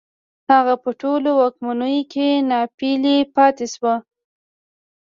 هغه په ټولو واکمنیو کې ناپېیلی پاتې شو